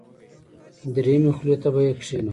دریمې خولې ته به یې کېنوم.